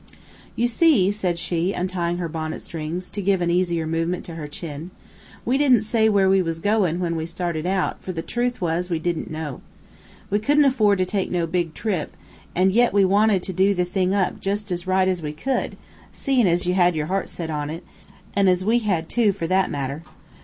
"You see," said she, untying her bonnet strings, to give an easier movement to her chin, "we didn't say where we was goin' when we started out, for the truth was we didn't know. We couldn't afford to take no big trip, and yet we wanted to do the thing up jus' as right as we could, seein' as you had set your heart on it, an' as we had, too, for that matter.